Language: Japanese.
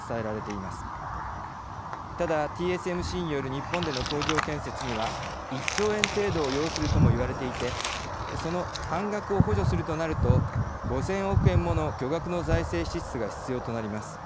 ただＴＳＭＣによる日本での工場建設には１兆円程度を要するともいわれていてその半額を補助するとなると５，０００億円もの巨額の財政支出が必要となります。